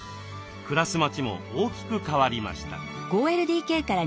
暮らす街も大きく変わりました。